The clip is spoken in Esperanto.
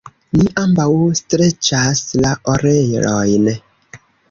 Ni ambaŭ streĉas la orelojn.